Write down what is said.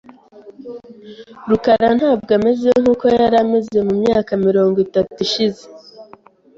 rukara ntabwo ameze nkuko yari ameze mu myaka mirongo itatu ishize .